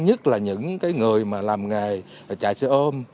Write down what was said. nhất là những người làm nghề chạy xe ôm